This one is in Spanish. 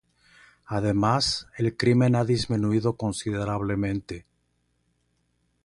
Además, el crimen ha disminuido considerablemente.